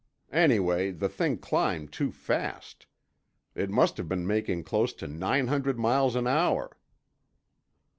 Anyway, the thing climbed too fast. It must have been making close to nine hundred miles an hour."